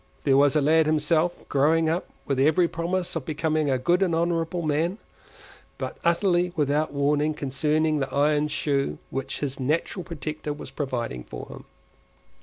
There was the lad himself—growing up with every promise of becoming a good and honourable man—but utterly without warning concerning the iron shoe which his natural protector was providing for him.